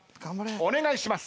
お願いします。